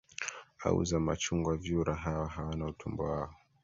au za machungwa Vyura hawa hawana utumbo wao